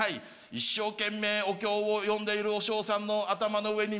一生懸命お経を読んでいる和尚さんの頭の上に